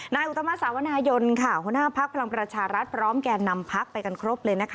อุตมาสาวนายนค่ะหัวหน้าภักดิ์พลังประชารัฐพร้อมแก่นำพักไปกันครบเลยนะคะ